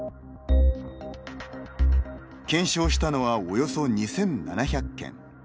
検証したのは、およそ２７００件。